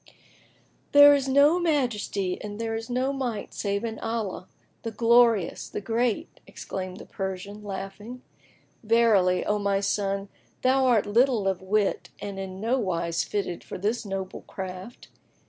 "There is no Majesty and there is no Might save in Allah, the Glorious, the Great!" exclaimed the Persian, laughing; "Verily, O my son, thou art little of wit and in nowise fitted for this noble craft.